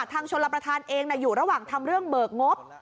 ชนรับประทานเองอยู่ระหว่างทำเรื่องเบิกงบ